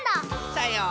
さよう。